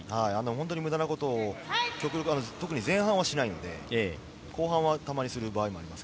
無駄なことを極力特に前半しないので、後半はたまにする場合もあります。